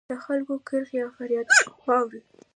د خلکو کریغې او فریادونه واورېدل